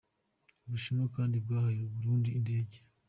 u Bushinwa kandi bwahaye u Burundi indege.